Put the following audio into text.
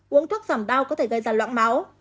uống thuốc giảm đau có thể gây ra loãng máu